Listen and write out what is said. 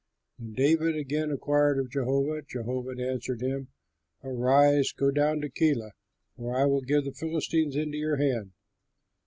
When David again inquired of Jehovah, Jehovah answered him, "Arise, go down to Keilah, for I will give the Philistines into your hand."